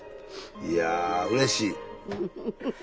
いやうれしい。